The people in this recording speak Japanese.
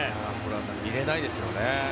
見れないですよね。